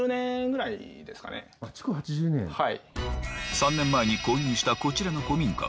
３年前に購入したこちらの古民家